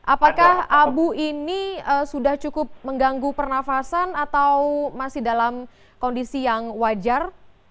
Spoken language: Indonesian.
apakah abu ini sudah cukup mengganggu pernafasan atau masih dalam kondisi yang wajar